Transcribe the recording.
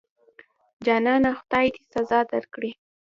جانانه خدای دې سزا درکړي.